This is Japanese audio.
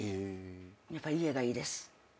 やっぱ家がいいです。